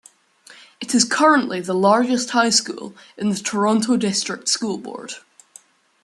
It is currently the largest high school in the Toronto District School Board.